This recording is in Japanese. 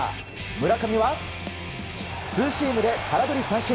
村上はツーシームで空振り三振。